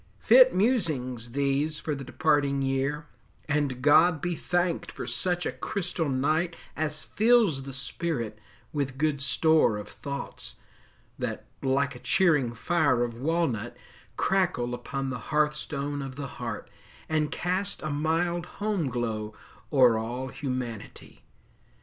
Fit musings these for the departing year; And God be thanked for such a crystal night As fills the spirit with good store of thoughts, That, like a cheering fire of walnut, crackle Upon the hearthstone of the heart, and cast A mild home glow o'er all Humanity!